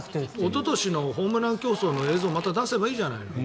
おととしのホームラン競争の映像を出せばいいじゃない。